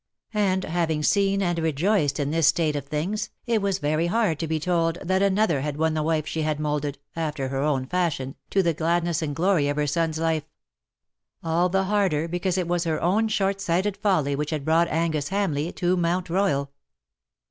And having seen and rejoiced in this state of things, it was very hard to be told that another had won the wife she had moulded, after her own fashion, to be the gladness and glory of her son^s life ; all the harder because it was her own short sighted folly which had brought Angus Hamleigh to Mount E/Oyal.